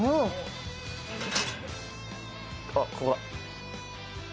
あっここだ。